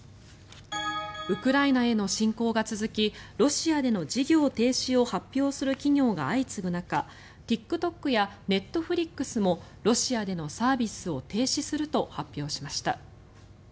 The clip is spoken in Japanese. ウクライナへの侵攻が続きロシアでの事業停止を発表する企業が相次ぐ中ＴｉｋＴｏｋやネットフリックスもロシアでのサービスを停止すると発表しました。